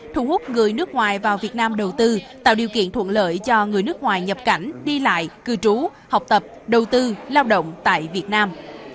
thu hút người nước ngoài vào việt nam đầu tư tạo điều kiện thuận lợi cho người nước ngoài nhập cảnh đi lại cư trú học tập đầu tư lao động tại việt nam